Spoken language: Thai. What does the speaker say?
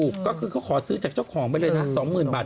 ก็คือเขาขอซื้อจากเจ้าของไปเลยสองหมื่นบาท